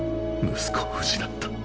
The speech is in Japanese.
息子を失った。